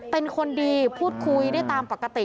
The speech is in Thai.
เป็นคนดีพูดคุยได้ตามปกติ